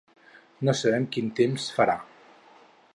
No sabem quin temps farà.